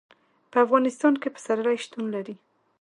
په افغانستان کې پسرلی شتون لري.